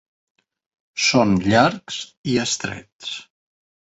Són llargs i estrets.